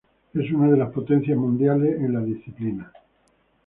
Es una e las potencias mundiales en la disciplina.